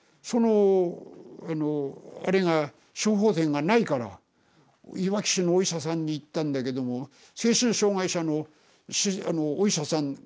そのあのあれが処方箋がないからいわき市のお医者さんに行ったんだけども精神障害者のお医者さん